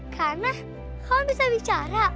kana kamu bisa bicara